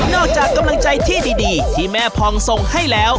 จากกำลังใจที่ดีที่แม่พองส่งให้แล้ว